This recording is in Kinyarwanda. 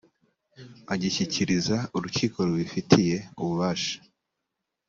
agishyikiriza urukiko rubifitiye ububasha